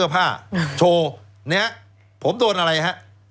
แล้วเขาก็ใช้วิธีการเหมือนกับในการ์ตูน